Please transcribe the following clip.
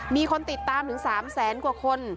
มีคนติดตามถึง๓แสนกว่าคน